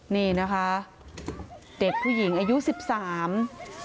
นี่นะคะเด็กผู้หญิงอายุ๑๓ชาวเมียน